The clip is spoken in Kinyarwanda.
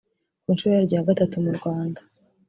Ku nshuro yaryo ya gatatu mu Rwanda